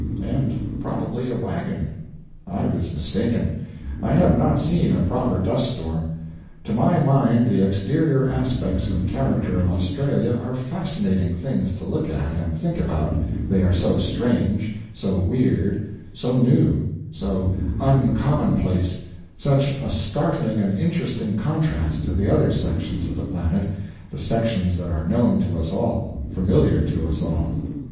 And probably a wagon. I was mistaken; I have not seen a proper duststorm. To my mind the exterior aspects and character of Australia are fascinating things to look at and think about, they are so strange, so weird, so new, so uncommonplace, such a startling and interesting contrast to the other sections of the planet, the sections that are known to us all, familiar to us all.